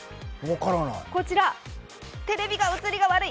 こちらテレビが映りが悪い。